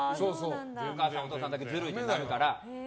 お母さん、お父さんだけずるいってなるから。